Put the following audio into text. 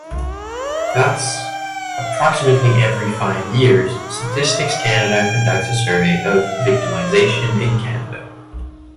Thus, approximately every five years, Statistics Canada conducts a survey of victimization in Canada.